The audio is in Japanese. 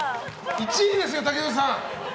１位ですよ、竹野内さん！